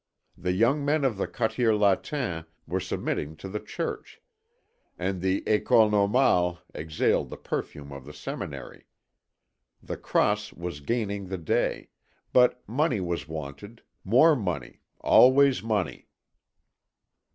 The young men of the Quartier Latin were submitting to the Church, and the École Normale exhaled the perfume of the seminary. The Cross was gaining the day; but money was wanted, more money, always money.